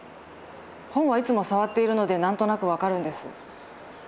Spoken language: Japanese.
本はいつも触っているので何となく分かるんです。